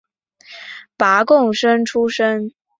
拔贡生出身。